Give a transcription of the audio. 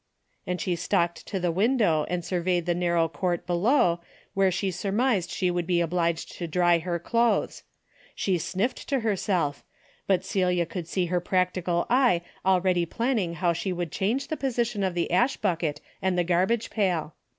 And she stalked to the window and surveyed the narrow court below, where she surmised she would be obliged to dry her clothes. She sniffed to herself, but Celia could see her practical eye already planning how she would change the position of the ash bucket and the garbage pail.